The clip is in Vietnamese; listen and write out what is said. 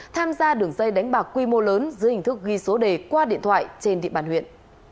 tham gia đường dây đánh bạc quy mô lớn dưới hình thức ghi số đề qua điện thoại trên địa bàn huyện